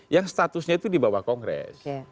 yang statusnya itu di bawah kongres